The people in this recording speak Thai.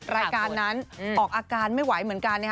รายการนั้นออกอาการไม่ไหวเหมือนกัน